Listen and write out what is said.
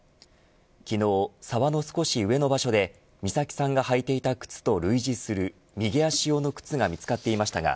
昨日、沢の少し上の場所で美咲さんが履いていた靴と類似する右足用の靴が見つかっていましたが